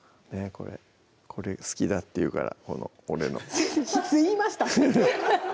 これこれが好きだって言うからこの俺のいつ言いました？